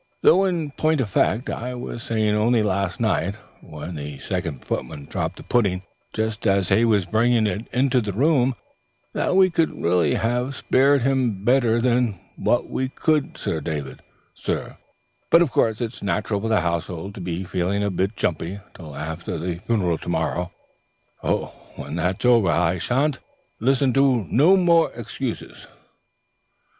Though in point of fact I was saying only last night, when the second footman dropped the pudding just as he was bringing it into the room, that we could really have spared him better than what we could Sir David, sir; but of course it's natural for the household to be feeling a bit jumpy till after the funeral to morrow. When that's over I shan't listen to no more excuses."